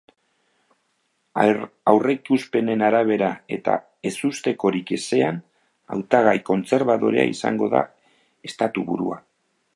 Aurreikuspenen arabera eta, ezustekorik ezean, hautagai kontserbadorea izango da estatuburua.